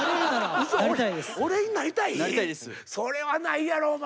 それはないやろお前。